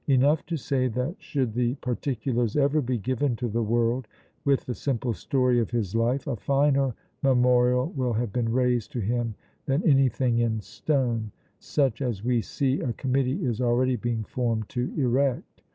Enough to say that, should the particulars ever be given to the world, with the simple story of his life, a finer memorial will have been raised to him than anything in stone, such as we see a committee is already being formed to erect.